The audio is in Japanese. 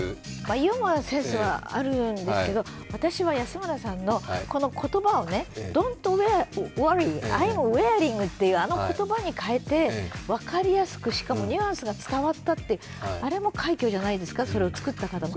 ユーモアのセンスはあるんですけど、私は安村さんの言葉をドントウォリー、アイム・ウェアリングっていうあの言葉に変えて、分かりやすくしかもニュアンスが伝わったってあれも快挙じゃないですか、それを作った方も。